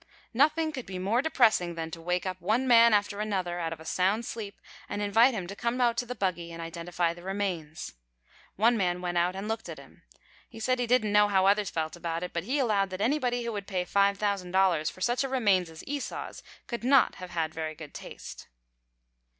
Nothing could be more depressing than to wake up one man after another out of a sound sleep and invite him to come out to the buggy and identify the remains. One man went out and looked at him. He said he didn't know how others felt about it, but he allowed that anybody who would pay $5,000 for such a remains as Esau's could not have very good taste.